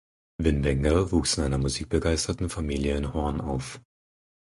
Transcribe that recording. Wynbenga wuchs in einer musikbegeisterten Familie in Hoorn auf.